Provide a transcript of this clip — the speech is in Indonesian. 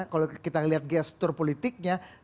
kalau kita lihat gestur politiknya